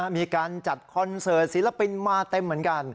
มีการจัดคอนเสิร์ตศิลปินมาเต็มเหมือนกัน